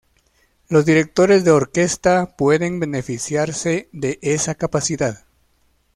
Los directores de orquesta pueden beneficiarse de esa capacidad.